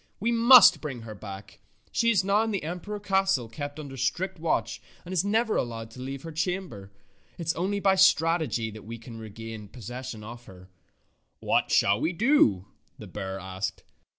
We must bring her back. She is now in the imperial cas tle kept under strict watch, and is never allowed to leave her chamber. It is only by strategy that we can regain possession of her." "What shall we do?" the bear asked.